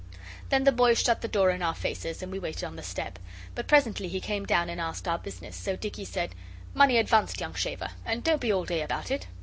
Then the boy shut the door in our faces and we waited on the step. But presently he came down and asked our business. So Dicky said 'Money advanced, young shaver! and don't be all day about it!